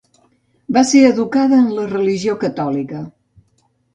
Va ser educada en la religió catòlica.